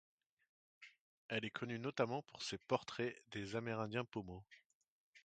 Elle est connue notamment pour ses portraits des Amérindiens Pomos.